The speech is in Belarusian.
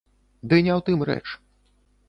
Ды не ў тым рэч.